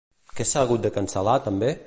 Què s'ha hagut de cancel·lar també?